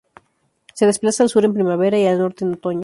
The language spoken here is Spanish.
Se desplaza al sur en primavera y al norte en otoño.